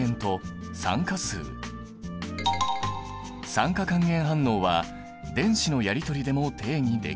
酸化還元反応は電子のやりとりでも定義できる。